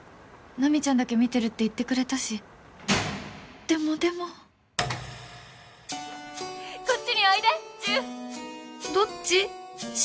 奈未ちゃんだけ見てるって言ってくれたしでもでもこっちにおいでジュンどっち？